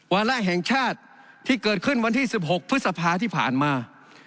วาระแห่งชาติที่เกิดขึ้นวันที่๑๖พฤษภาที่ผ่านมา